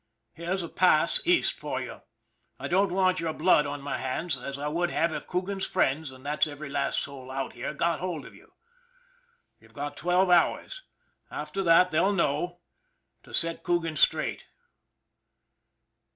" Here's a pass East for you. I don't want your blood on my hands, as I would have if Coogan's friends, and that's every last soul out here, got hold of you. You've got twelve hours after that they'll know to set Coogan straight."